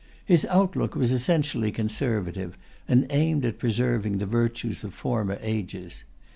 His outlook was essentially conservative, and aimed at preserving the virtues of former ages.